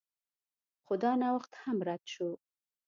خو دا نوښت هم رد شو.